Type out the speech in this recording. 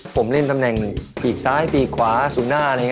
ผมเล่นตำแหน่งปีกซ้ายปีกขวาสุดหน้า